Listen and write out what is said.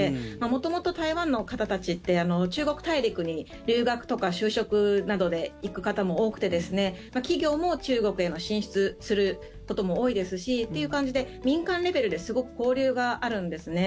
元々、台湾の方たちって中国大陸に留学とか就職などで行く方も多くて企業も中国へ進出することも多いですしという感じで民間レベルですごく交流があるんですね。